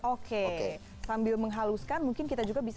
oke oke sambil menghaluskan mungkin kita juga bisa